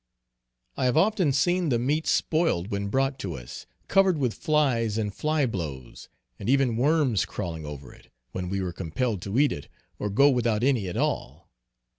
I have often seen the meat spoiled when brought to us, covered with flies and fly blows, and even worms crawling over it, when we were compelled to eat it, or go without any at all.